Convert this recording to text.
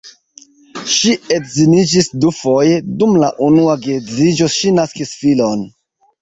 Ŝi edziniĝis dufoje, dum la unua geedziĝo ŝi naskis filon.